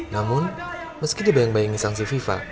namun meski dibayang bayangi sanksi fifa